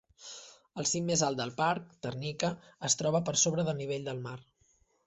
El cim més alt del parc, Tarnica, es troba per sobre del nivell del mar.